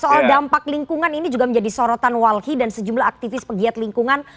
soal dampak lingkungan ini juga menjadi sorotan walhi dan sejumlah aktivis pegiat lingkungan